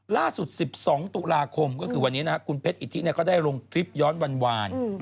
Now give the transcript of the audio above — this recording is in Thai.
ล่าสุด๑๒ตุลาคมก็คือวันนี้คุณเพชรอิทธิก็ได้ลงคลิปย้อนวาน